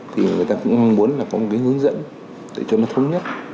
thì người ta cũng muốn là có một cái hướng dẫn để cho nó thống nhất